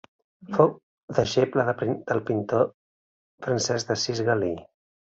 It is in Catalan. Fou deixeble del pintor Francesc d'Assís Galí.